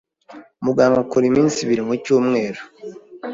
Muganga akora iminsi ibiri mu cyumweru.